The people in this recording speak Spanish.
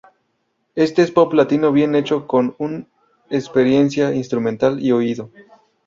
Este es pop latino bien hecho con un experiencia instrumental y oído.